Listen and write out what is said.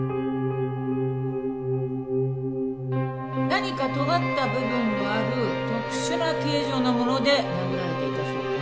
何かとがった部分がある特殊な形状のもので殴られていたそうよ。